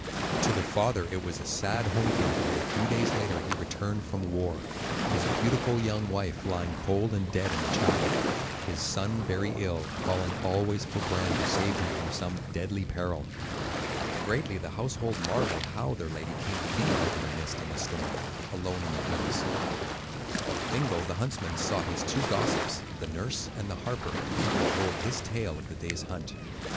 To the father it was a sad home coming when, a few days later, he returned from war,—his beautiful young wife lying cold and dead in the chapel; his son very ill, calling always for Bran to save him from some deadly peril. Greatly the household marvelled how their lady came to be out in the mist and the storm, alone on the hills; but Fingal, the huntsman, sought his two gossips, the nurse and the harper, and told this tale of the day's hunt.